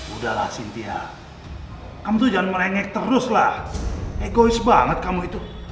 udah lah sintia kamu tuh jangan merengek terus lah egois banget kamu itu